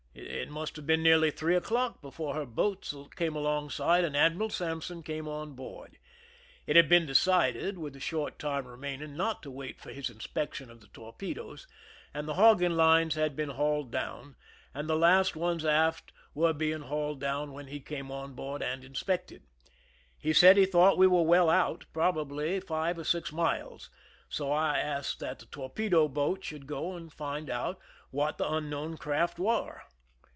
It must have been nearly three o'clock before her boats came sJongside and Admiral Sampson came on board. Ii: had been decided, with the short time remaining, E.ot to wait for his inspection of the torpedoes, and the hogging lines had been hauled down; the last ones aft were being hauled down when he came on board and inspected. He said he thought we ^\^ere well out, probably five or six miles, so I asked that the torpedo boat should go and find out what the unknown craft were.